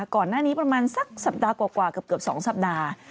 ก่อนหน้านี้ประมาณสักสัปดาห์กว่าเกือบ๒สัปดาห์